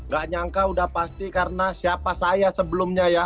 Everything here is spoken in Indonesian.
gak nyangka udah pasti karena siapa saya sebelumnya ya